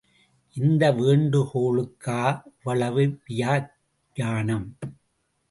இந்த வேண்டுகோளுக்கா இவ்வளவு வியாக்யானம்?